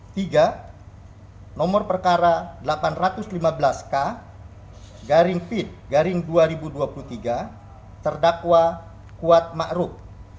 nomor tiga nomor perkara delapan ratus lima belas k garing pid garing dua ribu dua puluh tiga terdakwa kuat ma'ruf